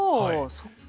そっか。